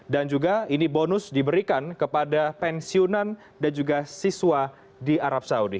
dan juga ini bonus diberikan kepada pensiunan dan juga siswa di arab saudi